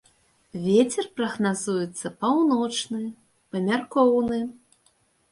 Вецер прагназуецца паўночны, памяркоўны.